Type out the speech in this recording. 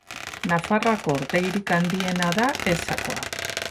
Nafarroako urtegirik handiena da Esakoa.